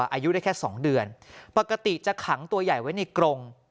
อายุได้แค่๒เดือนปกติจะขังตัวใหญ่ไว้ในกรง